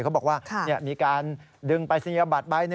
เขาบอกว่ามีการดึงปรายศนียบัตรใบ๑